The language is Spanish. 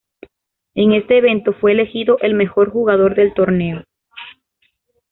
En ese evento fue elegido el mejor jugador del torneo.